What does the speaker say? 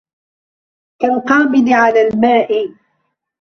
كالقابض على الماء